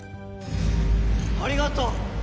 ありがとう！